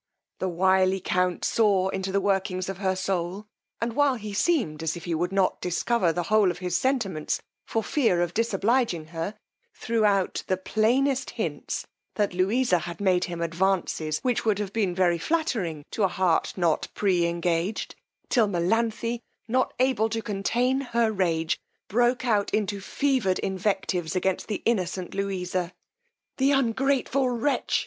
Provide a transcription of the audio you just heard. The wily count saw into the workings of her soul; and while he seemed as if he would not discover the whole of his sentiments for fear of disobliging her, threw out the plainest hints, that Louisa had made him advances which would have been very flattering to a heart not pre engaged, till Melanthe, not able to contain her rage, broke out into the fevered invectives against the innocent Louisa. The ungrateful wretch!